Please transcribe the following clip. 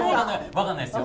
分かんないですよ。